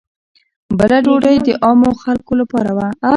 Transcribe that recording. بله ډوډۍ د عامو خلکو لپاره وه.